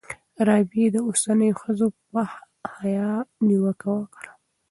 رابعې د اوسنیو ښځو په حیا نیوکه وکړه.